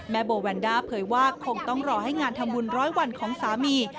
โบแวนด้าเผยว่าคงต้องรอให้งานทำบุญร้อยวันของสามี